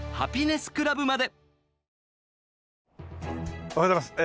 おはようございます。